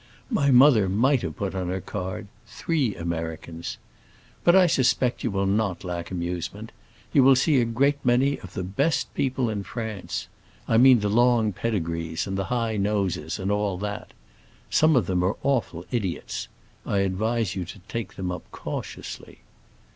My mother might have put on her card 'Three Americans.' But I suspect you will not lack amusement. You will see a great many of the best people in France. I mean the long pedigrees and the high noses, and all that. Some of them are awful idiots; I advise you to take them up cautiously."